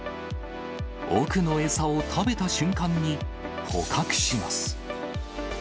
奥の餌を食べた瞬間に捕獲します。